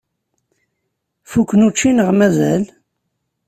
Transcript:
Fukken učči neɣ mazal?